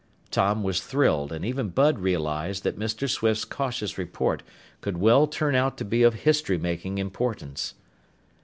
Tom was thrilled, and even Bud realized that Mr. Swift's cautious report could well turn out to be of history making importance.